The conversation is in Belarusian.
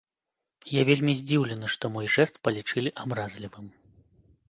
Я вельмі здзіўлены, што мой жэст палічылі абразлівым.